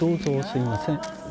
すいません。